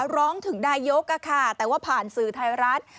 ร้องถึงนายกแต่ว่าผ่านสื่อไทยรัฐ